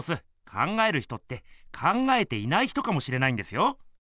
「考える人」って「考えていない人」かもしれないんですよ。